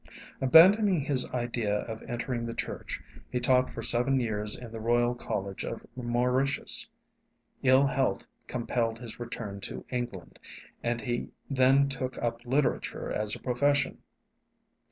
Abandoning his idea of entering the Church, he taught for seven years in the Royal College of Mauritius. Ill health compelled his return to England, and he then took up literature as a profession.